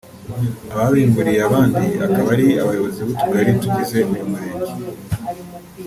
ababimburiye abandi akaba ari abayobozi b’utugari tugize uyu murenge